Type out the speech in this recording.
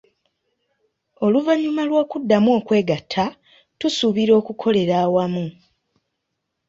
Oluvannyuma lw'okuddamu okwegatta tusuubira okukolera awamu.